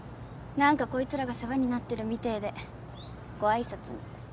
なんかこいつらが世話になってるみてえでご挨拶に。